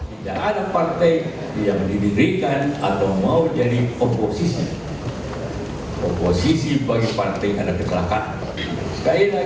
tidak ada partai yang didirikan atau mau jadi oposisi bagi partai karena kecelakaan